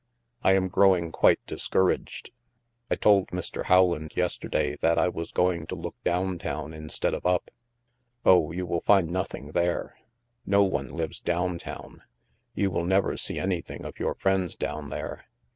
I am growing quite dis THE MAELSTROM 119 couraged. I told Mr. Rowland yesterday that I was going to look down town, instead of up." " Oh, you will find nothing there. No one lives down town. You will never see anything of your friends down there.